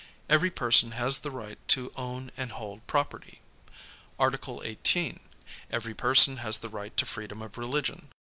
Every person has the right to own and hold property. Article 18. Every person has the right to freedom of religion.